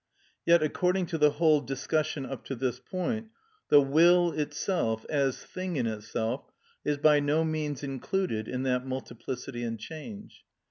Yet, according to the whole discussion up to this point, the will itself, as thing in itself, is by no means included in that multiplicity and change.